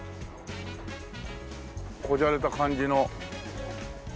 小じゃれた感じの。